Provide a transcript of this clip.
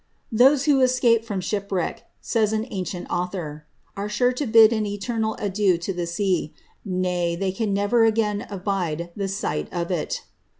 "* Those who escape from shipwreck,' says an ancient author, "are son v bid an eternal adieu tu the sea; nay, they can never again abide the sight of it.'